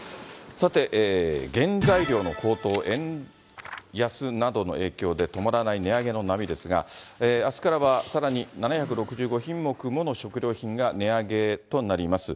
さて、原材料の高騰、円安などの影響で止まらない値上げの波ですが、あすからはさらに７６５品目もの食料品が値上げとなります。